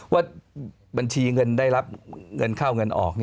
ว่าบัญชีเงินได้รับเงินเข้าเงินออก